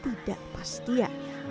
tidak pasti ya